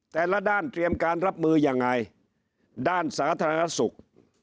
แต่ละด้านเตรียมการรับมือยังไงด้านสาธารณสุข